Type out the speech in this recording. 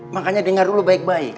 makanya dengar dulu baik baik